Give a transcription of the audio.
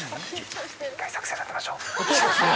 一回作戦立てましょう。